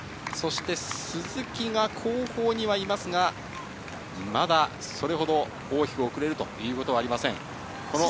鈴木が後方にいますが、まだそれほど大きく遅れるということはありません。